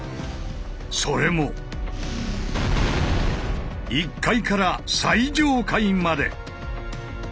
それも１階から最上階まで！